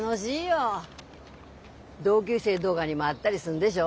同級生どがにも会ったりすんでしょ？